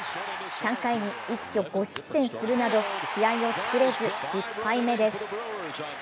３回に一挙５失点するなど、試合を作れず１０敗目です。